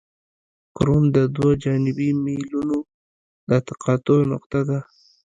کرون د دوه جانبي میلونو د تقاطع نقطه ده